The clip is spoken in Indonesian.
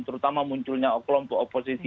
terutama munculnya kelompok oposisi